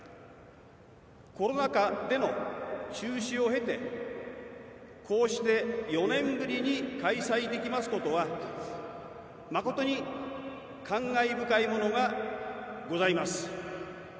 コロナ禍での中止を経てこうして４年ぶりに開催できますことは誠に感慨深いものがございます。